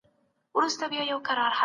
لیکلو هم ورته لویه ننګونه وه.